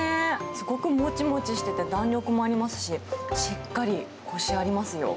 すごくもちもちしてて、弾力もありますし、しっかりこしありますよ。